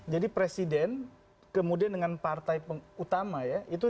valdi kita sedang mengucapkan pengetahuan diri saya